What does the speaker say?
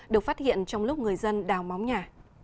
được phát hiện trong lúc người dân đào móng nhà